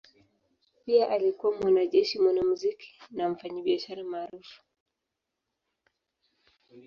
Pia alikuwa mwanajeshi, mwanamuziki na mfanyabiashara maarufu.